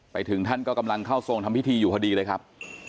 ไปถึงท่านก็กำลังเข้าทรงทำพิธีอยู่พอดีเลยครับ